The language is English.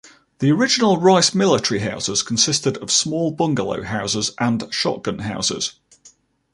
The original Rice Military houses consisted of small bungalow houses and shotgun houses.